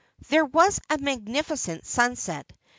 ' There was a magnificent sunset.